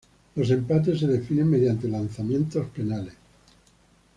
Los empates se definen mediante lanzamientos penales.